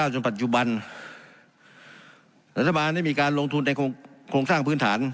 จนปัจจุบันรัฐบาลได้มีการลงทุนในโครงสร้างพื้นฐาน